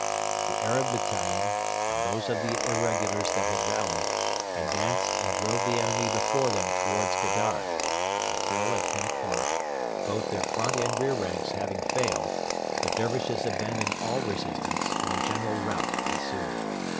The Arab battalion, and those of the irregulars that had rallied, advanced and drove the enemy before them towards Gedaref, until at ten o'clock, both their front and rear attacks having failed, the Dervishes abandoned all resistance and a general rout ensued.